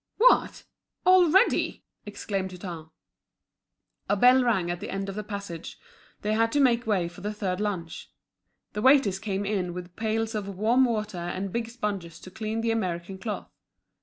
"What! Already?" exclaimed Hutin. A bell rang at the end of the passage, they had to make way for the third lunch. The waiters came in with pails of warm water and big sponges to clean the American cloth.